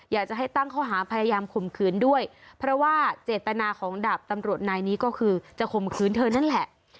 อยากจะให้ตั้งข้อหาพยายามข่มขืนด้วยเพราะว่าเจตนาของดาบตำรวจนายนี้ก็คือจะข่มขืนเธอนั่นแหละ